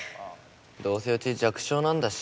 どうせうち弱小なんだし。